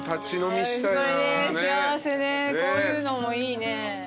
こういうのもいいね。